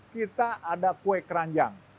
kita ada kue keranjang